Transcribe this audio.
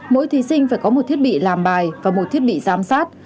mỗi thí sinh phải có một thiết bị làm bài và một thiết bị giám sát